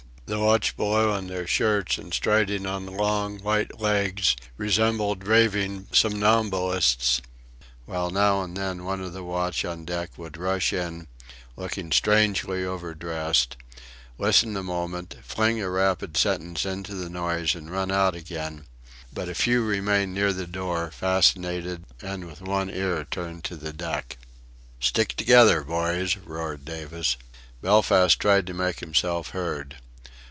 The watch below in their shirts, and striding on long white legs, resembled raving somnambulists; while now and then one of the watch on deck would rush in, looking strangely over dressed, listen a moment, fling a rapid sentence into the noise and run out again; but a few remained near the door, fascinated, and with one ear turned to the deck. "Stick together, boys," roared Davis. Belfast tried to make himself heard.